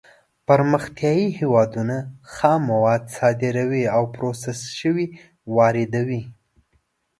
پرمختیايي هېوادونه خام مواد صادروي او پروسس شوي واردوي.